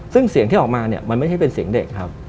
ซึ่งเสียงที่ออกมาเนี่ยมันไม่ใช่เป็นเสียงเด็กครับ